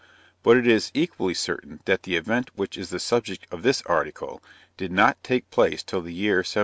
But it is equally certain that the event which is the subject of this article, did not take place till the year 1763.